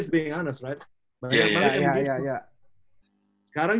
saya hanya berani kan